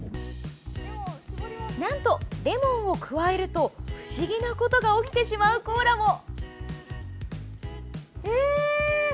なんと、レモンを加えると不思議なことが起きてしまうコーラも。